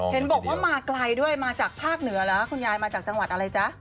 เห็นบอกว่ามาไกลด้วยมาจากภาคเหนือเหรอคุณยายมาจากจังหวัดอะไรจ๊ะ